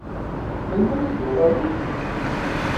Melmi ad d-uɣalen?